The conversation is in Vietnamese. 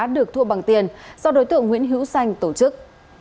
được thua bằng tiền do đối tượng nguyễn hữu xanh tổ chức